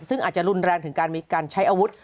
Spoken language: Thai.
ซึ่งอาจจะรุนแรนถึงการใช้อาวุธ